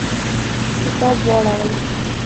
کتاب واوړوئ